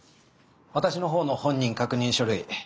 私の方の本人確認書類